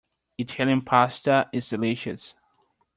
Italian Pasta is delicious.